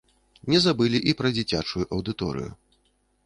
Не забылі і пра дзіцячую аўдыторыю.